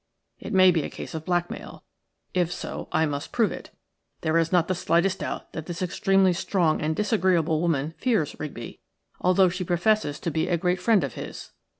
It may be a case of blackmail. If so, I must prove it. There is not the slightest doubt that this extremely strong and disagreeable woman fears Rigby, although she professes to be a great friend of his.